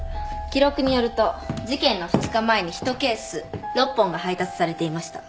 記録によると事件の２日前に１ケース６本が配達されていました。